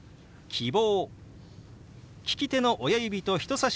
「希望」。